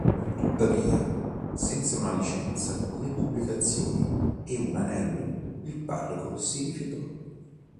Tuttavia, senza una licenza, le pubblicazioni e un anello, il parroco si rifiutò.